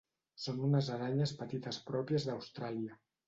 Són unes aranyes petites pròpies d'Austràlia.